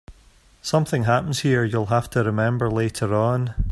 Something happens here you'll have to remember later on.